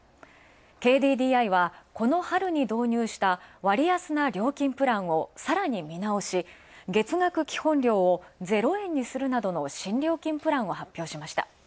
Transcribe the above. ＫＤＤＩはこの春に導入した割安な料金プランをさらに見直し、月額基本料を０円にするなど新料金プランを発表しました。